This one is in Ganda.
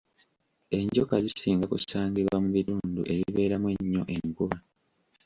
Enjoka zisinga kusangibwa mu bitundu ebibeeramu ennyo enkuba.